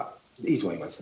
いいと思います。